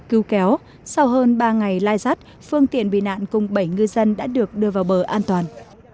cứu kéo sau hơn ba ngày lai rắt phương tiện bị nạn cùng bảy ngư dân đã được đưa vào bờ an toàn